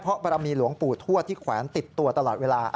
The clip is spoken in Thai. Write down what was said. เพราะบรมีหลวงปู่ทวดที่แขวนติดตัวตลอดเวลา